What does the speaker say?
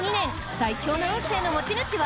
最強の運勢の持ち主は？